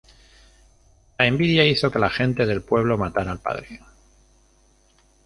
La envidia hizo que la gente del pueblo matara al padre.